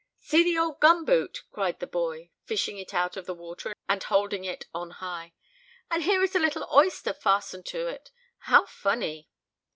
"See the old gum boot," cried the boy, fishing it out of the water and holding it on high. "And here is a little oyster fastened to it! How funny!"